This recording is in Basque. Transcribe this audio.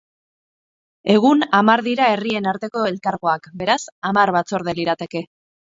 Egun hamar dira herrien arteko elkargoak, beraz, hamar batzorde lirateke.